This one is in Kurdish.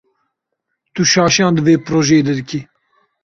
Tu şaşiyan di vê projeyê de dikî.